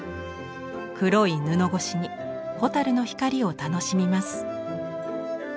黒い布越しに蛍の光を楽しみます。